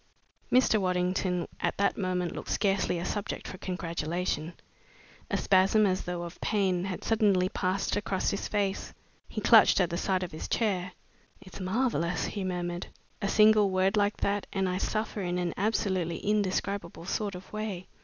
Mr. Waddington at that moment looked scarcely a subject for congratulation. A spasm, as though of pain, had suddenly passed across his face. He clutched at the sides of his chair. "It's marvelous!" he murmured. "A single word like that and I suffer in an absolutely indescribable sort of way.